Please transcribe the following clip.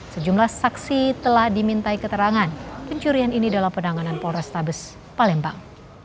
sejumlah saksi telah dimintai keterangan pencurian ini dalam penanganan polrestabes palembang